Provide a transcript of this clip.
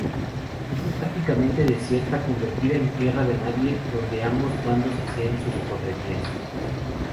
Quedó prácticamente desierta convertida en tierra de nadie donde ambos bandos hacían sus correrías.